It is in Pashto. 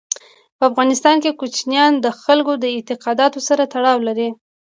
په افغانستان کې کوچیان د خلکو د اعتقاداتو سره تړاو لري.